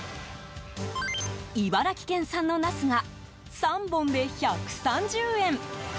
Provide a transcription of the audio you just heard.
茨城県産のナスが３本で１３０円。